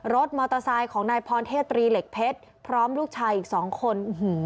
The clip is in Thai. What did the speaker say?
รถมอเตอร์ไซค์ของนายพรเทพตรีเหล็กเพชรพร้อมลูกชายอีกสองคน